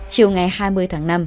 chiều ngày hai mươi tháng năm